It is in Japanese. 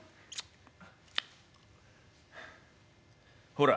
「ほら」。